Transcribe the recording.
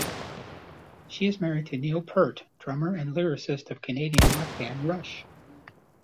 She is married to Neil Peart, drummer and lyricist of Canadian rock band Rush.